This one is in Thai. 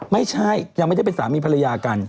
ไม่ใช่ยังไม่ได้เป็นสามีภรรยากัน